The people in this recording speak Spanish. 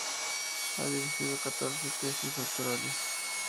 Ha dirigido catorce tesis doctorales.